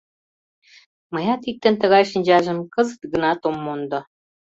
Мыят иктын тыгай шинчажым кызыт гынат ом мондо.